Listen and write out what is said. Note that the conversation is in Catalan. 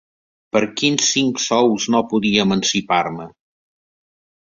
Per quins cinc sous no podia emancipar-me!